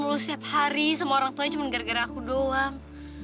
dulu setiap hari sama orang tuanya cuma gara gara aku doang